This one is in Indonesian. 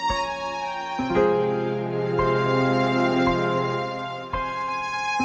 indah banget kayaknya sayang